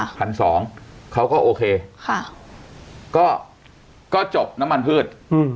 พันสองเขาก็โอเคค่ะก็ก็จบน้ำมันพืชอืม